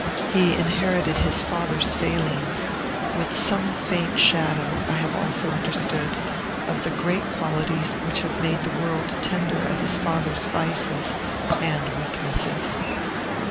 He inherited his father's failings, with some faint shadow, I have also understood, of the great qualities which have made the world tender of his father's vices and weaknesses.